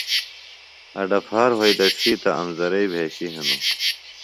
اڈہ پھار وھئیۡ دڇھی تہ امزرئیۡ بھیۡشیۡ ہنوۡ